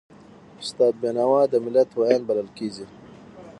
استاد بینوا د ملت ویاند بلل کېږي.